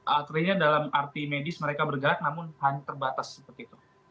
atrenya dalam arti medis mereka bergerak namun hanya terbatas seperti itu